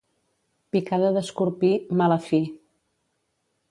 Picada d'escorpí, mala fi.